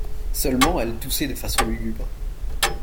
Seulement elle toussait d'une façon lugubre.